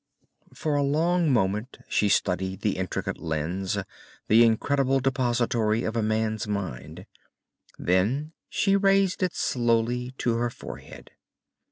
For a long moment she studied the intricate lens, the incredible depository of a man's mind. Then she raised it slowly to her forehead.